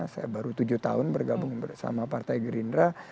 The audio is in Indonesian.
saya baru tujuh tahun bergabung bersama partai gerindra